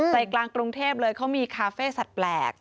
ใจกลางกรุงเทพเลยเขามีคาเฟ่สัตว์แปลก